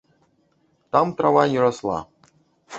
Там трава не расла.